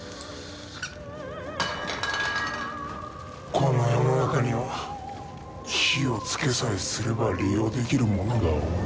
この世の中には火を付けさえすれば利用できるものが多い。